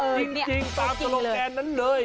จริงตามสโลแกนนั้นเลย